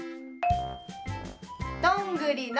どんぐりの。